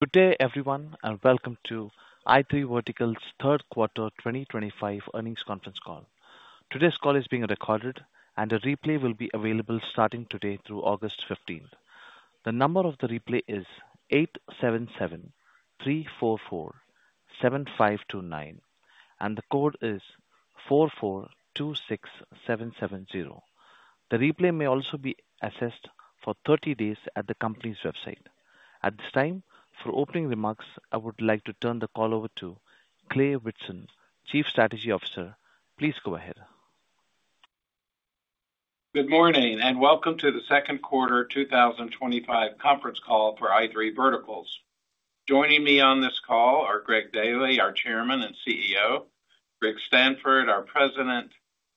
Good day, everyone, and welcome to i3 Verticals' Third Quarter 2025 Earnings Conference Call. Today's call is being recorded, and a replay will be available starting today through August 15. The number of the replay is 877-344-7529, and the code is 4426770. The replay may also be accessed for 30 days at the company's website. At this time, for opening remarks, I would like to turn the call over to Clay Whitson, Chief Strategy Officer. Please go ahead. Good morning and welcome to the Second Quarter 2025 Conference Call for i3 Verticals. Joining me on this call are Greg Daily, our Chairman and CEO, Rick Stanford, our President,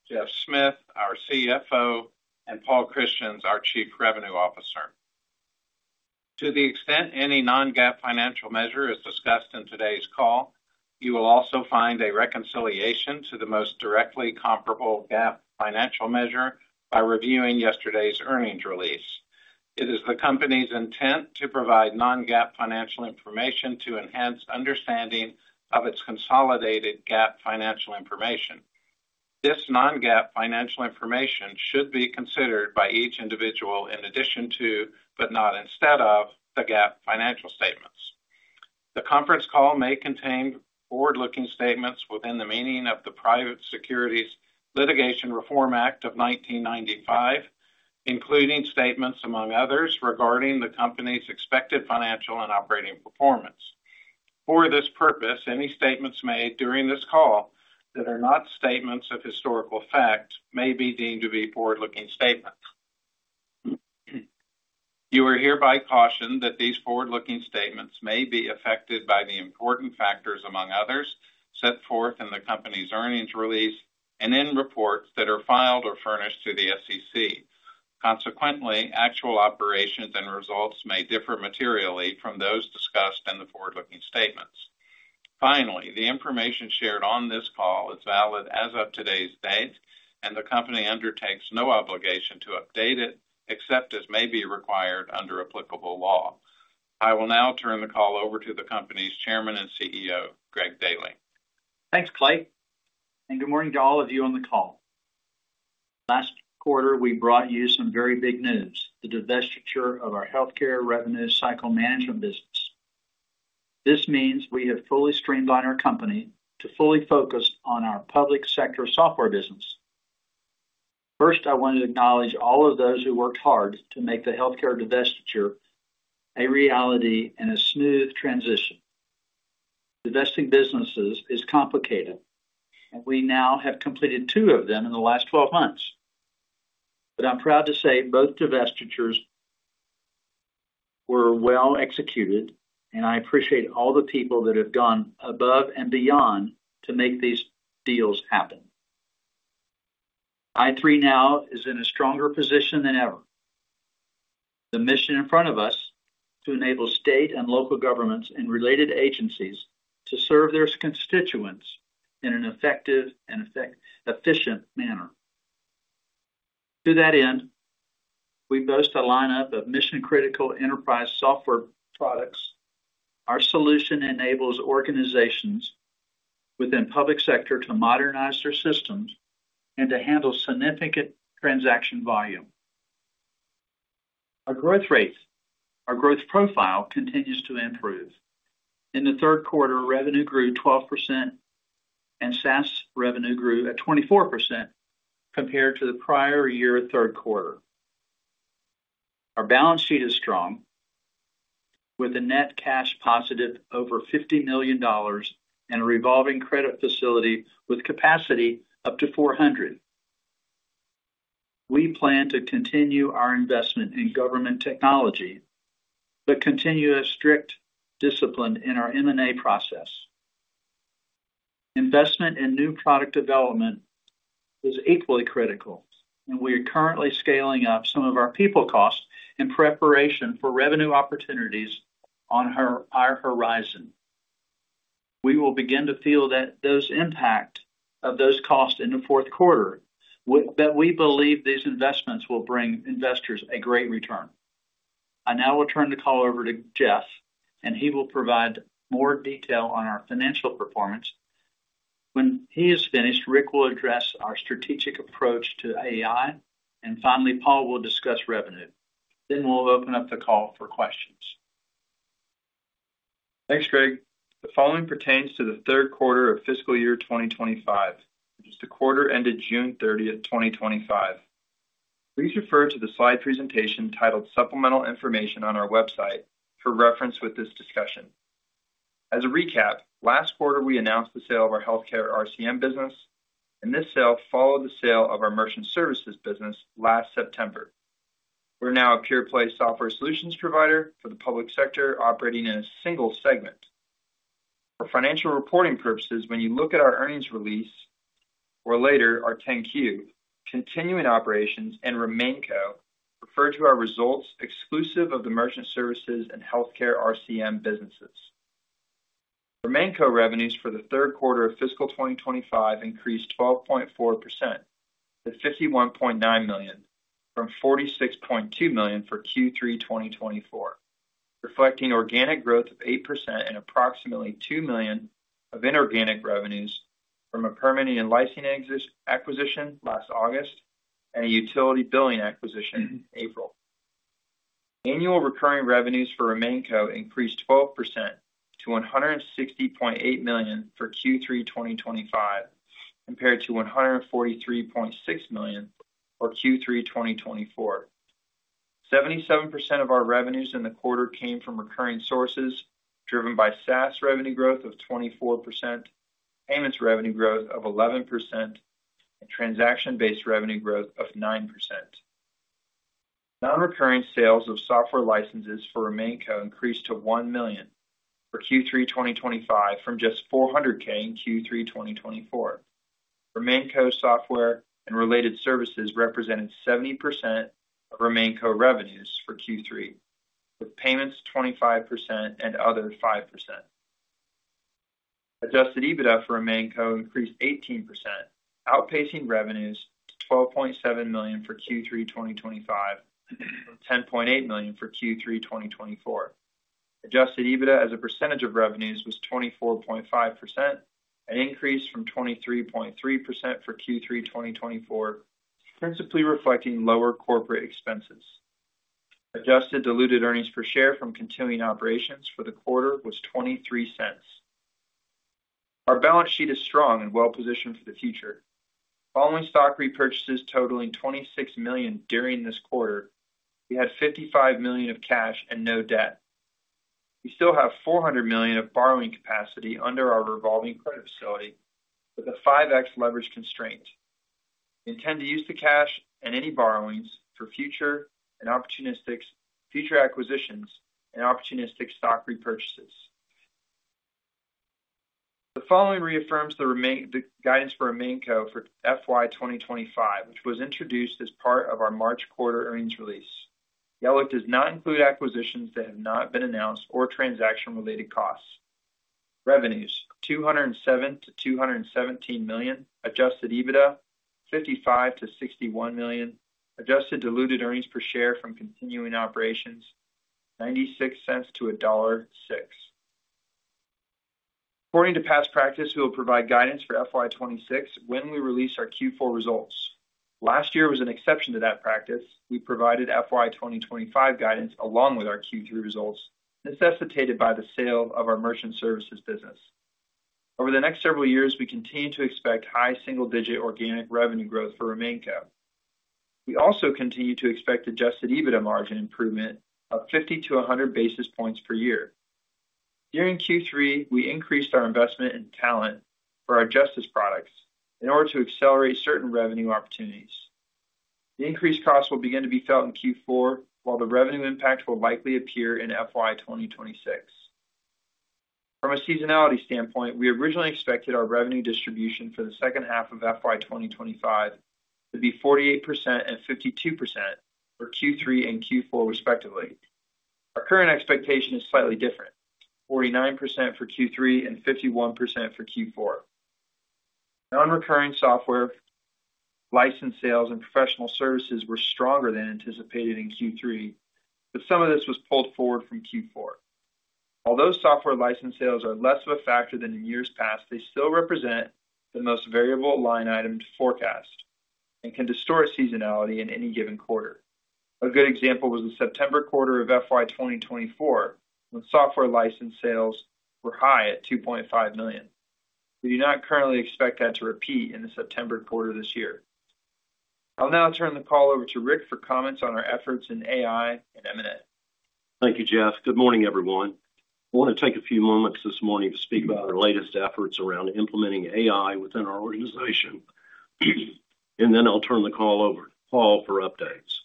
Geoff Smith, our CFO, and Paul Christians, our Chief Revenue Officer. To the extent any non-GAAP financial measure is discussed in today's call, you will also find a reconciliation to the most directly comparable GAAP financial measure by reviewing yesterday's earnings release. It is the company's intent to provide non-GAAP financial information to enhance understanding of its consolidated GAAP financial information. This non-GAAP financial information should be considered by each individual in addition to, but not instead of, the GAAP financial statements. The conference call may contain forward-looking statements within the meaning of the Private Securities Litigation Reform Act of 1995, including statements, among others, regarding the company's expected financial and operating performance. For this purpose, any statements made during this call that are not statements of historical effect may be deemed to be forward-looking statements. You are hereby cautioned that these forward-looking statements may be affected by the important factors, among others, set forth in the company's earnings release and in reports that are filed or furnished to the SEC. Consequently, actual operations and results may differ materially from those discussed in the forward-looking statements. Finally, the information shared on this call is valid as of today's date, and the company undertakes no obligation to update it except as may be required under applicable law. I will now turn the call over to the company's Chairman and CEO, Greg Daily. Thanks, Clay, and good morning to all of you on the call. Last quarter, we brought you some very big news: the divestiture of our healthcare revenue cycle management business. This means we have fully streamlined our company to fully focus on our public sector software business. First, I want to acknowledge all of those who worked hard to make the healthcare divestiture a reality and a smooth transition. Divesting businesses is complicated, and we now have completed two of them in the last 12 months. I'm proud to say both divestitures were well executed, and I appreciate all the people that have gone above and beyond to make these deals happen. i3 now is in a stronger position than ever. The mission in front of us is to enable state and local governments and related agencies to serve their constituents in an effective and efficient manner. To that end, we boast a lineup of mission-critical enterprise software products. Our solution enables organizations within the public sector to modernize their systems and to handle significant transaction volume. Our growth rates, our growth profile continues to improve. In the third quarter, revenue grew 12%, and SaaS revenue grew at 24% compared to the prior year of the third quarter. Our balance sheet is strong, with a net cash positive of over $50 million and a revolving credit facility with capacity up to $400 million. We plan to continue our investment in government technology, but continue a strict discipline in our M&A process. Investment in new product development is equally critical, and we are currently scaling up some of our people costs in preparation for revenue opportunities on our horizon. We will begin to feel those impacts of those costs in the fourth quarter, but we believe these investments will bring investors a great return. I now will turn the call over to Geoff, and he will provide more detail on our financial performance. When he is finished, Rick will address our strategic approach to AI, and finally, Paul will discuss revenue. We will open up the call for questions. Thanks, Greg. The following pertains to the third quarter of fiscal year 2025, which is the quarter ended June 30, 2025. Please refer to the slide presentation titled "Supplemental Information" on our website for reference with this discussion. As a recap, last quarter we announced the sale of our healthcare revenue cycle management business, and this sale followed the sale of our merchant services business last September. We're now a pure-play software solutions provider for the public sector operating in a single segment. For financial reporting purposes, when you look at our earnings release, or later our 10-Q, Continuing Operations and RemainCo refer to our results exclusive of the merchant services and healthcare RCM businesses. RemainCo revenues for the third quarter of fiscal 2025 increased 12.4% to $51.9 million from $46.2 million for Q3 2024, reflecting organic growth of 8% and approximately $2 million of inorganic revenues from a permitting and licensing acquisition last August and a utility billing acquisition in April. Annual recurring revenues for RemainCo increased 12% to $160.8 million for Q3 2025, compared to $143.6 million for Q3 2024. 77% of our revenues in the quarter came from recurring sources, driven by SaaS revenue growth of 24%, payments revenue growth of 11%, and transaction-based revenue growth of 9%. Non-recurring sales of software licenses for RemainCo increased to $1 million for Q3 2025 from just $400,000 in Q3 2024. RemainCo software and related services represented 70% of RemainCo revenues for Q3, with payments 25% and other 5%. Adjusted EBITDA for RemainCo increased 18%, outpacing revenues, $12.7 million for Q3 2025 and $10.8 million for Q3 2024. Adjusted EBITDA as a percentage of revenues was 24.5%, an increase from 23.3% for Q3 2024, principally reflecting lower corporate expenses. Adjusted diluted earnings per share from Continuing Operations for the quarter was $0.23. Our balance sheet is strong and well-positioned for the future. Following stock repurchases totaling $26 million during this quarter, we had $55 million of cash and no debt. We still have $400 million of borrowing capacity under our revolving credit facility with a 5x leverage constraint. We intend to use the cash and any borrowings for future and opportunistic acquisitions and opportunistic stock repurchases. The following reaffirms the guidance for RemainCo for FY 2025, which was introduced as part of our March quarter earnings release. The outlook does not include acquisitions that have not been announced or transaction-related costs. Revenues: $207 million-$217 million, adjusted EBITDA $55 million-$61 million, adjusted diluted earnings per share from Continuing Operations $0.96-$1.06. According to past practice, we will provide guidance for FY 2026 when we release our Q4 results. Last year was an exception to that practice. We provided FY 2025 guidance along with our Q3 results necessitated by the sale of our merchant services business. Over the next several years, we continue to expect high single-digit organic revenue growth for RemainCo. We also continue to expect adjusted EBITDA margin improvement of 50 basis points-100 basis points per year. During Q3, we increased our investment in talent for our justice tech products in order to accelerate certain revenue opportunities. The increased costs will begin to be felt in Q4, while the revenue impact will likely appear in FY 2026. From a seasonality standpoint, we originally expected our revenue distribution for the second half of FY 2025 to be 48% and 52% for Q3 and Q4, respectively. Our current expectation is slightly different: 49% for Q3 and 51% for Q4. Non-recurring software license sales and professional services were stronger than anticipated in Q3, but some of this was pulled forward from Q4. Although software license sales are less of a factor than in years past, they still represent the most variable line item to forecast and can distort seasonality in any given quarter. A good example was the September quarter of FY 2024, when software license sales were high at $2.5 million. We do not currently expect that to repeat in the September quarter this year. I'll now turn the call over to Rick for comments on our efforts in AI and M&A. Thank you, Geoff. Good morning, everyone. I want to take a few moments this morning to speak about our latest efforts around implementing AI within our organization, and then I'll turn the call over to Paul for updates.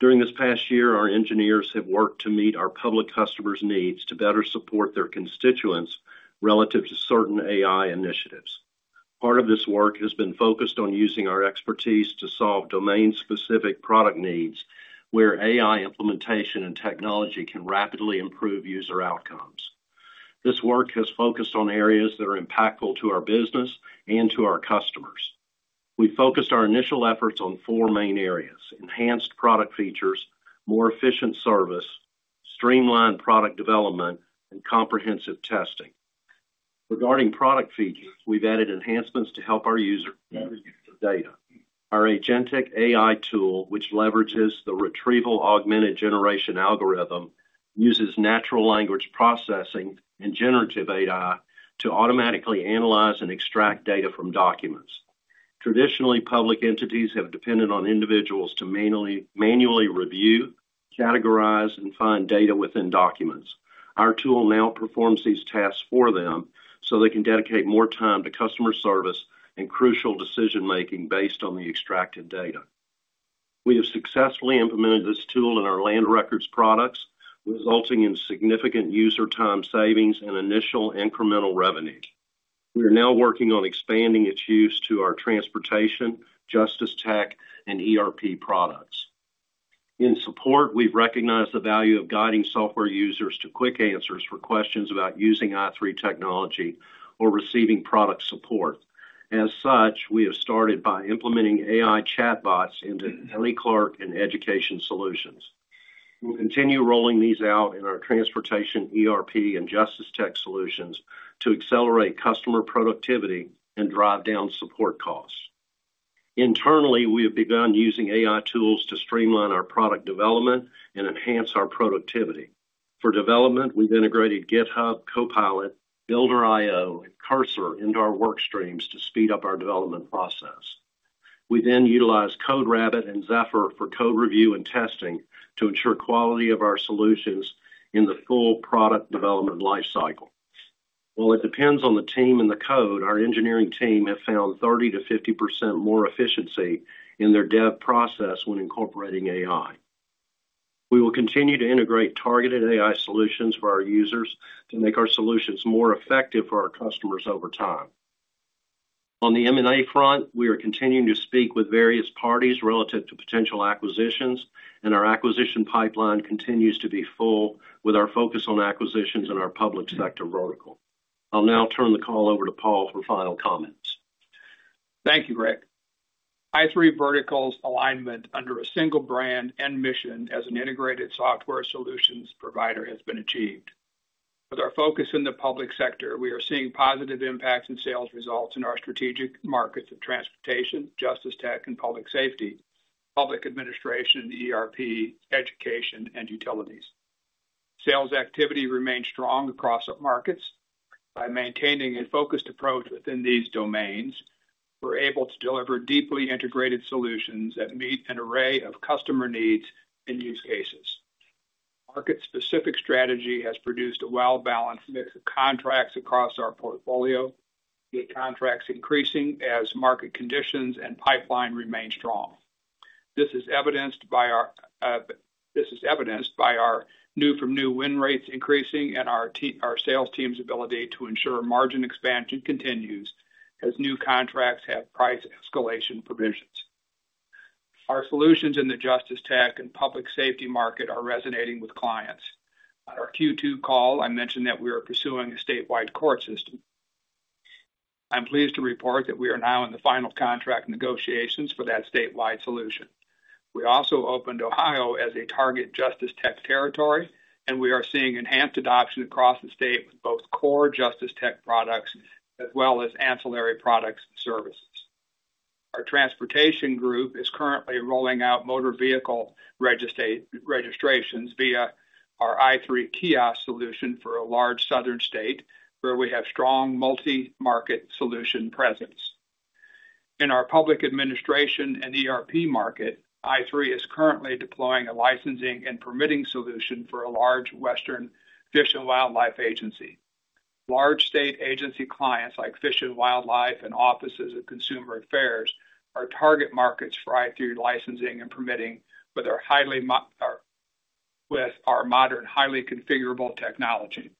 During this past year, our engineers have worked to meet our public customers' needs to better support their constituents relative to certain AI initiatives. Part of this work has been focused on using our expertise to solve domain-specific product needs where AI implementation and technology can rapidly improve user outcomes. This work has focused on areas that are impactful to our business and to our customers. We focused our initial efforts on four main areas: enhanced product features, more efficient service, streamlined product development, and comprehensive testing. Regarding product features, we've added enhancements to help our users with data. Our Agentic AI tool, which leverages the retrieval augmented generation algorithm, uses natural language processing and generative AI to automatically analyze and extract data from documents. Traditionally, public entities have depended on individuals to manually review, categorize, and find data within documents. Our tool now performs these tasks for them so they can dedicate more time to customer service and crucial decision-making based on the extracted data. We have successfully implemented this tool in our land records products, resulting in significant user time savings and initial incremental revenue. We are now working on expanding its use to our transportation, justice tech, and ERP products. In support, we've recognized the value of guiding software users to quick answers for questions about using i3 technology or receiving product support. As such, we have started by implementing AI chatbots into Holly Clark and education solutions. We will continue rolling these out in our transportation, ERP, and justice tech solutions to accelerate customer productivity and drive down support costs. Internally, we have begun using AI tools to streamline our product development and enhance our productivity. For development, we've integrated GitHub Copilot, Builder.io, and Cursor into our work streams to speed up our development process. We then utilize CodeRabbit and Zapier for code review and testing to ensure quality of our solutions in the full product development lifecycle. While it depends on the team and the code, our engineering team has found 30%-50% more efficiency in their dev process when incorporating AI. We will continue to integrate targeted AI solutions for our users to make our solutions more effective for our customers over time. On the M&A front, we are continuing to speak with various parties relative to potential acquisitions, and our acquisition pipeline continues to be full with our focus on acquisitions in our public sector vertical. I'll now turn the call over to Paul for final comments. Thank you, Rick. i3 Verticals' alignment under a single brand and mission as an integrated software solutions provider has been achieved. With our focus in the public sector, we are seeing positive impacts in sales results in our strategic markets of transportation, justice tech, public safety, public administration, ERP, education, and utilities. Sales activity remains strong across markets. By maintaining a focused approach within these domains, we're able to deliver deeply integrated solutions that meet an array of customer needs and use cases. Market-specific strategy has produced a well-balanced mix of contracts across our portfolio, with contracts increasing as market conditions and pipeline remain strong. This is evidenced by our new win rates increasing and our sales team's ability to ensure margin expansion continues as new contracts have price escalation provisions. Our solutions in the justice tech and public safety market are resonating with clients. On our Q2 call, I mentioned that we are pursuing a statewide court system. I'm pleased to report that we are now in the final contract negotiations for that statewide solution. We also opened Ohio as a target justice tech territory, and we are seeing enhanced adoption across the state with both core justice tech products as well as ancillary products and services. Our transportation group is currently rolling out motor vehicle registrations via our i3 kiosk solution for a large southern state where we have strong multi-market solution presence. In our public administration and ERP market, i3 is currently deploying a licensing and permitting solution for a large Western Fish and Wildlife Agency. Large state agency clients like Fish and Wildlife and Offices of Consumer Affairs are target markets for i3 licensing and permitting with our modern, highly configurable technology.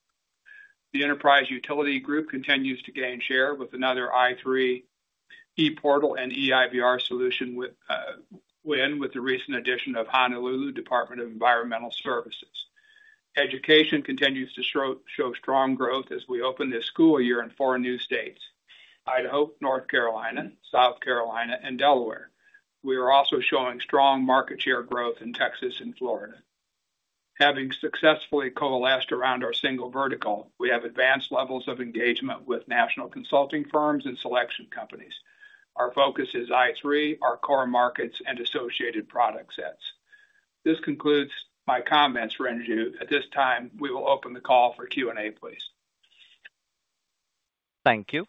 The Enterprise Utility Group continues to gain share with another i3 ePortal and eIVR solution win with the recent addition of Honolulu Department of Environmental Services. Education continues to show strong growth as we open this school year in four new states: Idaho, North Carolina, South Carolina, and Delaware. We are also showing strong market share growth in Texas and Florida. Having successfully coalesced around our single vertical, we have advanced levels of engagement with national consulting firms and selection companies. Our focus is i3, our core markets, and associated product sets. This concludes my comments, Ranju. At this time, we will open the call for Q&A, please. Thank you.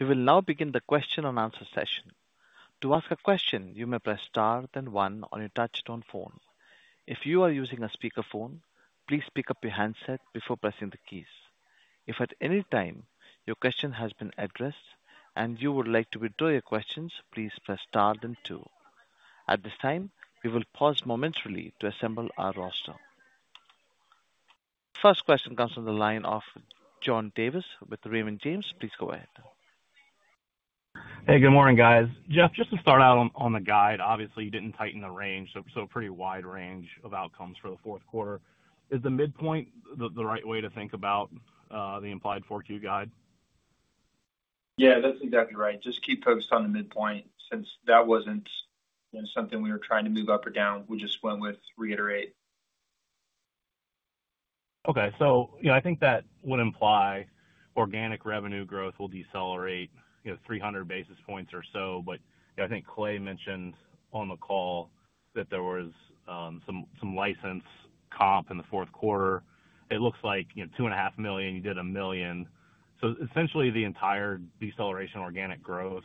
We will now begin the question and answer session. To ask a question, you may press star then one on your touch-tone phone. If you are using a speakerphone, please pick up your handset before pressing the keys. If at any time your question has been addressed and you would like to withdraw your questions, please press star then two. At this time, we will pause momentarily to assemble our roster. First question comes from the line of John Davis with Raymond James. Please go ahead. Hey, good morning, guys. Geoff, just to start out on the guide, obviously you didn't tighten the range, so a pretty wide range of outcomes for the fourth quarter. Is the midpoint the right way to think about the implied 4Q guide? Yeah, that's exactly right. Just keep focused on the midpoint, since that wasn't something we were trying to move up or down. We just went with reiterate. Okay, I think that would imply organic revenue growth will decelerate 300 basis points or so, but I think Clay mentioned on the call that there was some license comp in the fourth quarter. It looks like $2.5 million, you did $1 million. Essentially, the entire deceleration in organic growth is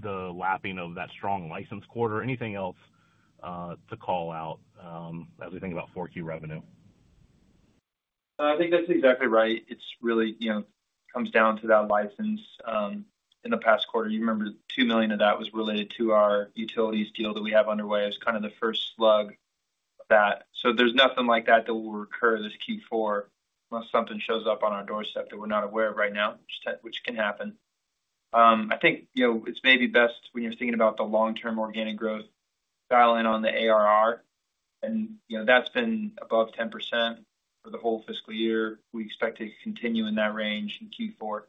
the lapping of that strong license quarter. Anything else to call out as we think about 4Q revenue? I think that's exactly right. It really comes down to that license in the past quarter. You remember $2 million of that was related to our utilities deal that we have underway. It was kind of the first slug of that. There's nothing like that that will recur this Q4 unless something shows up on our doorstep that we're not aware of right now, which can happen. I think it's maybe best when you're thinking about the long-term organic growth, dial in on the ARR, and you know that's been above 10% for the whole fiscal year. We expect to continue in that range in Q4.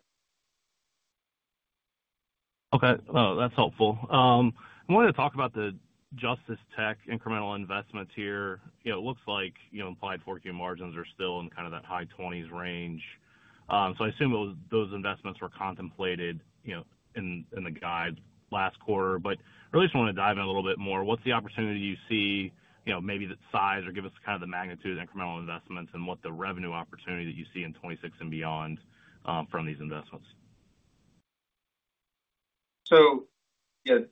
Okay, that's helpful. I wanted to talk about the justice tech incremental investments here. It looks like implied 4Q margins are still in kind of that high 20s range. I assume those investments were contemplated in the guide last quarter, but I really just want to dive in a little bit more. What's the opportunity you see? Maybe the size or give us kind of the magnitude of incremental investments and what the revenue opportunity that you see in 2026 and beyond from these investments?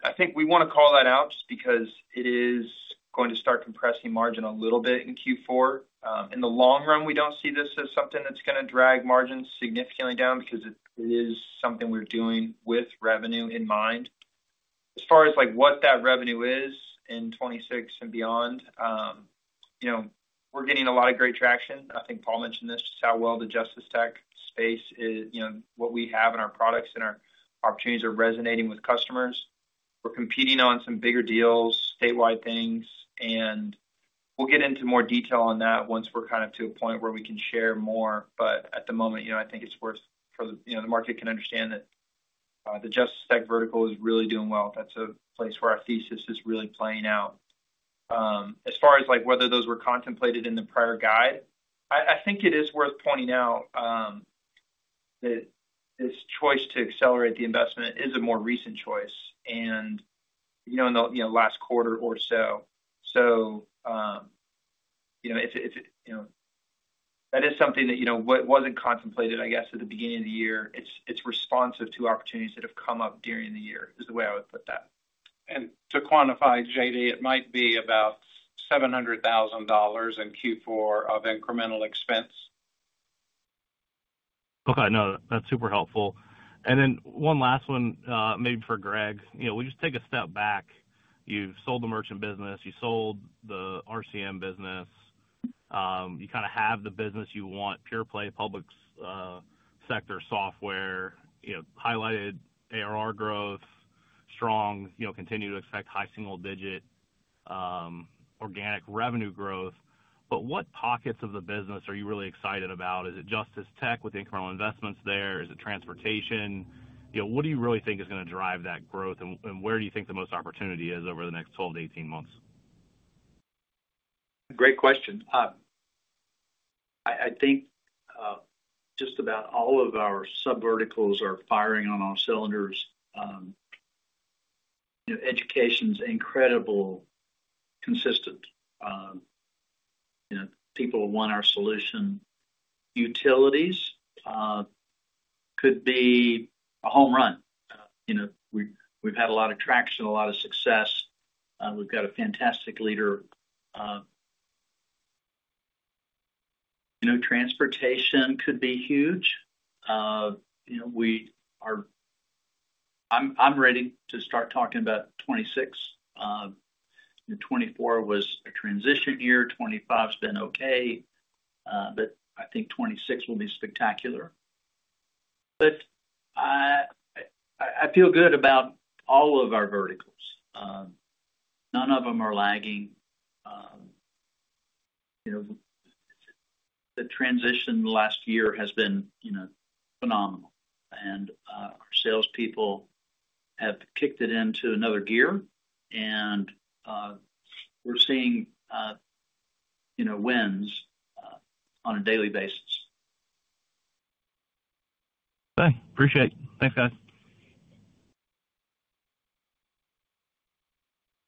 I think we want to call that out just because it is going to start compressing margin a little bit in Q4. In the long run, we don't see this as something that's going to drag margins significantly down because it is something we're doing with revenue in mind. As far as what that revenue is in 2026 and beyond, we're getting a lot of great traction. I think Paul mentioned this, just how well the justice tech space is, what we have in our products and our opportunities are resonating with customers. We're competing on some bigger deals, statewide things, and we'll get into more detail on that once we're to a point where we can share more. At the moment, I think it's worth it for the market to understand that the justice tech vertical is really doing well. That's a place where our thesis is really playing out. As far as whether those were contemplated in the prior guide, I think it is worth pointing out that this choice to accelerate the investment is a more recent choice, in the last quarter or so. That is something that wasn't contemplated at the beginning of the year. It's responsive to opportunities that have come up during the year is the way I would put that. To quantify, JD, it might be about $700,000 in Q4 of incremental expense. Okay, no, that's super helpful. One last one, maybe for Greg. You know, we just take a step back. You've sold the merchant business, you sold the RCM business, you kind of have the business you want, pure play public sector software, you know, highlighted ARR growth, strong, you know, continue to expect high single-digit organic revenue growth. What pockets of the business are you really excited about? Is it justice tech with incremental investments there? Is it transportation? You know, what do you really think is going to drive that growth and where do you think the most opportunity is over the next 12 to 18 months? Great question. I think just about all of our sub-verticals are firing on all cylinders. Education's incredible, consistent. You know, people want our solution. Utilities could be a home run. We've had a lot of traction, a lot of success. We've got a fantastic leader. Transportation could be huge. I'm ready to start talking about 2026. You know, 2024 was a transition year. 2025's been okay. I think 2026 will be spectacular. I feel good about all of our verticals. None of them are lagging. The transition in the last year has been phenomenal. Our salespeople have kicked it into another gear, and we're seeing wins on a daily basis. Thanks. Appreciate it. Thanks, guys.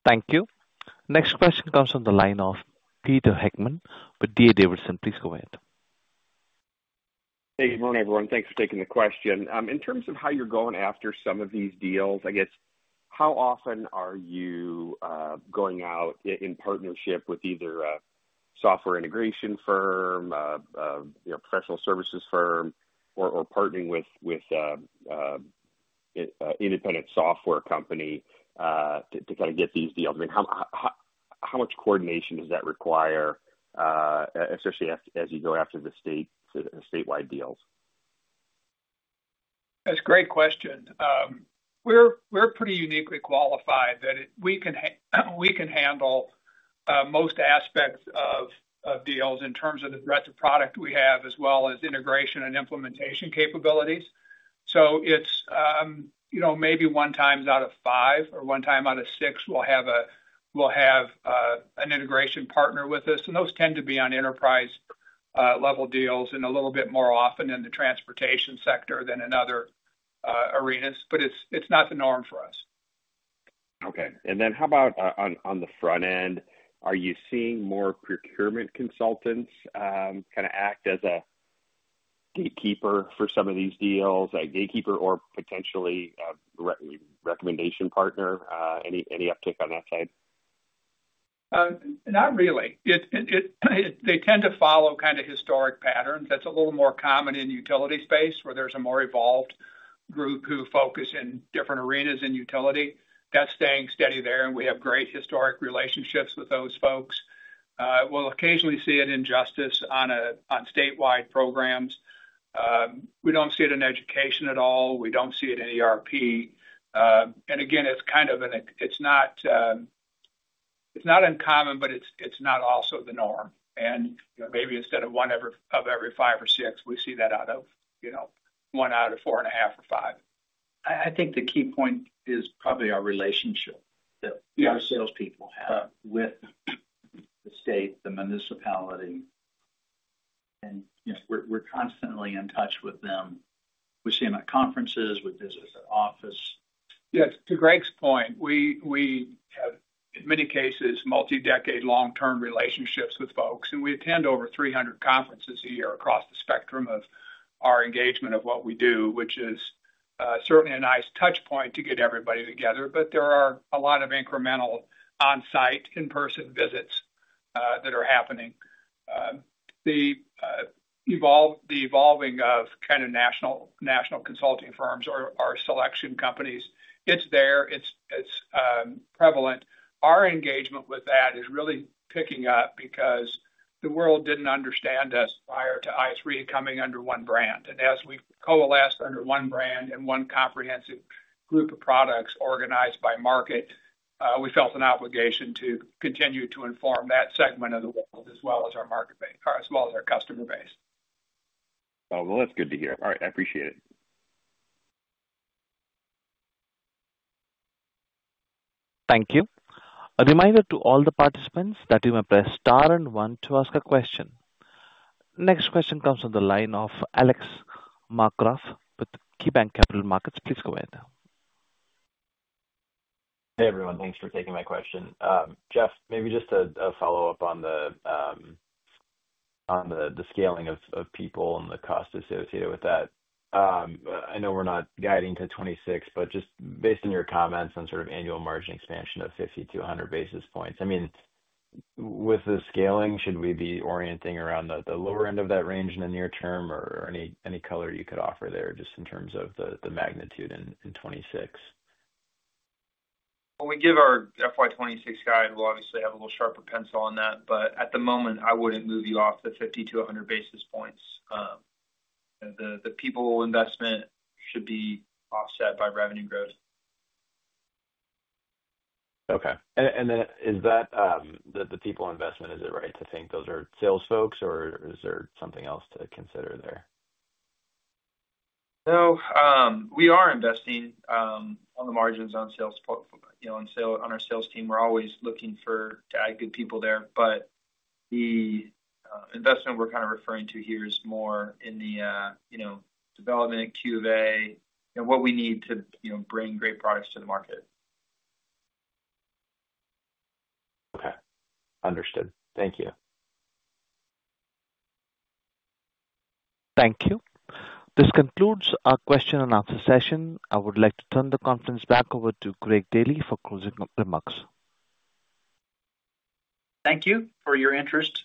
Thank you. Next question comes from the line of Peter Heckmann with D.A. Davidson. Please go ahead. Hey, good morning, everyone. Thanks for taking the question. In terms of how you're going after some of these deals, I guess, how often are you going out in partnership with either a software integration firm, a professional services firm, or partnering with an independent software company to kind of get these deals? I mean, how much coordination does that require, especially as you go after the state-wide deals? That's a great question. We're pretty uniquely qualified that we can handle most aspects of deals in terms of the breadth of product we have as well as integration and implementation capabilities. Maybe one time out of five or one time out of six, we'll have an integration partner with us. Those tend to be on enterprise-level deals and a little bit more often in the transportation sector than in other arenas. It's not the norm for us. Okay. How about on the front end, are you seeing more procurement consultants kind of act as a gatekeeper for some of these deals, a gatekeeper or potentially a recommendation partner? Any uptick on that side? Not really. They tend to follow kind of historic patterns. That's a little more common in the utilities space where there's a more evolved group who focus in different arenas in utilities. That's staying steady there, and we have great historic relationships with those folks. We'll occasionally see an injustice on statewide programs. We don't see it in education at all. We don't see it in ERP. It's not uncommon, but it's not also the norm. Maybe instead of one of every five or six, we see that out of, you know, one out of four and a half or five. I think the key point is probably our relationship that our salespeople have with the state, the municipality, and you know we're constantly in touch with them. We see them at conferences. We visit the office. Yes. To Greg's point, we have in many cases multi-decade long-term relationships with folks, and we attend over 300 conferences a year across the spectrum of our engagement of what we do, which is certainly a nice touchpoint to get everybody together. There are a lot of incremental on-site, in-person visits that are happening. The evolving of kind of national consulting firms or selection companies, it's there. It's prevalent. Our engagement with that is really picking up because the world didn't understand us prior to i3 Verticals coming under one brand. As we coalesced under one brand and one comprehensive group of products organized by market, we felt an obligation to continue to inform that segment of the world as well as our market base, as well as our customer base. That's good to hear. All right, I appreciate it. Thank you. A reminder to all the participants that you may press star and one to ask a question. Next question comes from the line of Alex Markgraff with KeyBanc Capital Markets.Please go ahead. Hey, everyone. Thanks for taking my question. Geoff, maybe just a follow-up on the scaling of people and the cost associated with that. I know we're not guiding to 2026, but just based on your comments on sort of annual margin expansion of 50 to 100 basis points, I mean, with the scaling, should we be orienting around the lower end of that range in the near term, or any color you could offer there just in terms of the magnitude in 2026? When we give our FY 2026 guide, we'll obviously have a little sharper pencil on that. At the moment, I wouldn't move you off the 50 to 100 basis points. The people investment should be offset by revenue growth. Is that the people investment, is it right to think those are sales folks, or is there something else to consider there? We are investing on the margins on sales, you know, on our sales team. We're always looking for to add good people there. The investment we're kind of referring to here is more in the, you know, development, QA, and what we need to, you know, bring great products to the market. Okay. Understood. Thank you. Thank you. This concludes our question and answer session. I would like to turn the conference back over to Greg Daily for closing remarks. Thank you for your interest.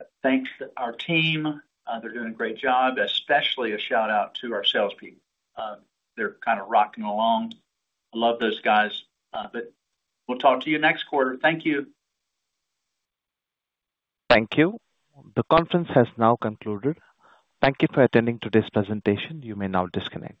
I'd like to thank our team. They're doing a great job, especially a shout-out to our salespeople. They're kind of rocking along. I love those guys. We'll talk to you next quarter. Thank you. Thank you. The conference has now concluded. Thank you for attending today's presentation. You may now disconnect.